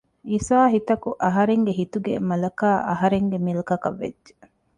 އިސާހިތަކު އަހަރެންގެ ހިތުގެ މަލަކާ އަހަރެންގެ މިލްކަކަށް ވެއްޖެ